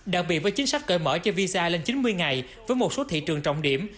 đặc biệt với chính sách cởi mở cho visa lên chín mươi ngày với một số thị trường trọng điểm